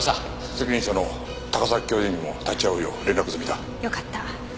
責任者の高崎教授にも立ち会うよう連絡済みだ。よかった。